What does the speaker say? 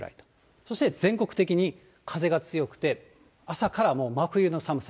そして全国的に風が強くて、朝からもう真冬の寒さ。